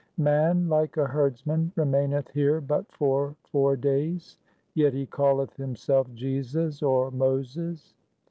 Man like a herdsman remaineth here but for four days, yet he calleth himself Jesus or Moses.